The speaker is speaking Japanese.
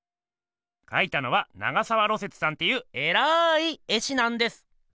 描いたのは長沢芦雪さんっていうえらい絵師なんです。